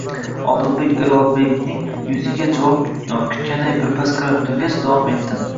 Odilbek Erdolbekning yuziga javob kutganday birpas qarab turgach, davom etdi: